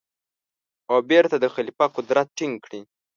او بېرته د خلیفه قدرت ټینګ کړي.